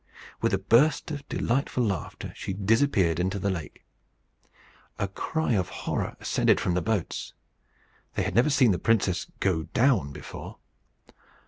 With a burst of delightful laughter she disappeared in the lake. A cry of horror ascended from the boats. They had never seen the princess go down before.